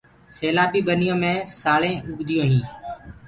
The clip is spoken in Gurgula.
سيلآ بي ٻنيو مي سآݪينٚ اُگديونٚ هين۔